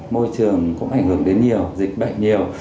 môi trường cũng ảnh hưởng đến nhiều dịch bệnh nhiều